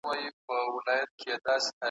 د کښتۍ له منځه پورته واویلا وه .